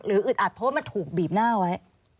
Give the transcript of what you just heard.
หรืออึดอัดเพราะมันถูกบีบหน้าไว้